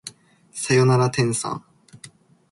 さよなら天さん